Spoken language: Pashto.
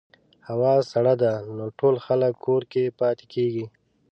هوا سړه ده، نو ټول خلک کور کې پاتې کېږي.